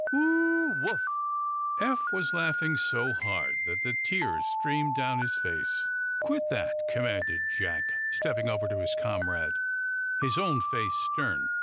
Oh woof!" Eph was laughing so hard that the tears streamed down his face. "Quit that!" commanded Jack, stepping over to his comrade, his own face stern.